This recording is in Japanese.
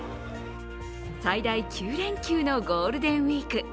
最大９連休のゴールデンウイーク。